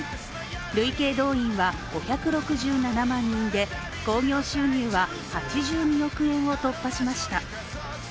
累計動員は５６７万人で興行収入は８２億円を突破しました。